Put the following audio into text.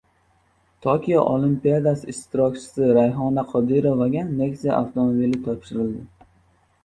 Tokio Olimpiadasi ishtirokchisi Rayhona Qodirovaga "Nexia" avtomobili topshirildi